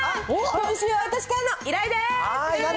今週は私からの依頼です。